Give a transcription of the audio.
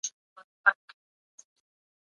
ژوند د هر موجود حق دی.